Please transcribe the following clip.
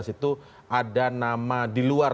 situ ada nama di luar